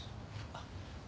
あっ。